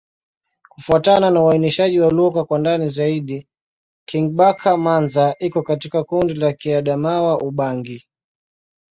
Kufuatana na uainishaji wa lugha kwa ndani zaidi, Kingbaka-Manza iko katika kundi la Kiadamawa-Ubangi.